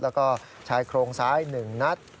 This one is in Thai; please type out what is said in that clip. แล้วก็ชายโครงซ้าย๑นัด